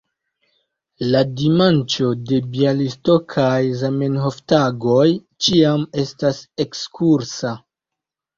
La dimanĉo de Bjalistokaj Zamenhof-Tagoj ĉiam estas ekskursa.